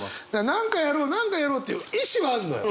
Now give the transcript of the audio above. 何かやろう何かやろうっていう意思はあるのよ。